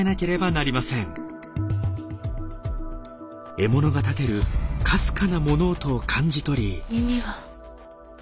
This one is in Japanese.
獲物が立てるかすかな物音を感じ取り。